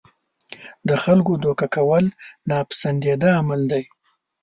د خلکو دوکه کول ناپسندیده عمل دی.